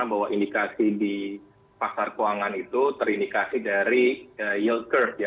bahwa indikasi di pasar keuangan itu terindikasi dari yield curve ya